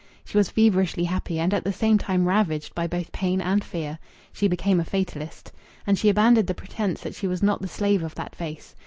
She was feverishly happy, and at the same time ravaged by both pain and fear. She became a fatalist. And she abandoned the pretence that she was not the slave of that face.